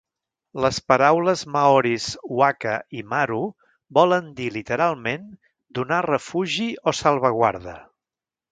Les paraules Maoris "whaka" i "maru" volen dir literalment donar refugi o salvaguarda.